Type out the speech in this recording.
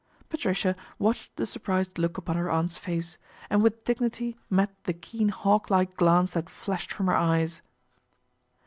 Patricia watched the surprised look upon her aunt's face, and with dignity met the keen hawk like glance that flashed from her eyes.